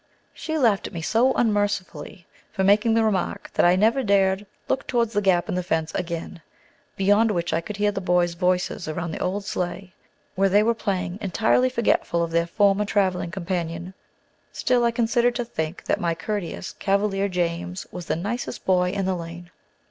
She laughed at me so unmercifully for making the remark, that I never dared look towards the gap in the fence again, beyond which I could hear the boys' voices around the old sleigh where they were playing, entirely forgetful of their former traveling companion. Still, I continued to think that my courteous cavalier, James, was the nicest boy in the lane.